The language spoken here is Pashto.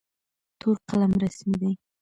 تور قلم رسمي دی.